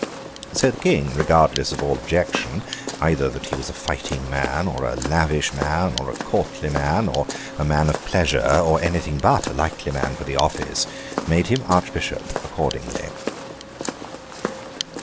So the King, regardless of all objection, either that he was a fighting man, or a lavish man, or a courtly man, or a man of pleasure, or anything but a likely man for the office, made him Archbishop accordingly.